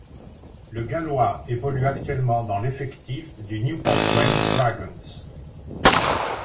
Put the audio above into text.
Le gallois évolue actuellement dans l'effectif du Newport Gwent Dragons.